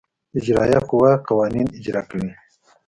اجرائیه قوه قوانین اجرا کوي.